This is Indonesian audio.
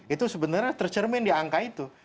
itu sebenarnya tercermin di angka itu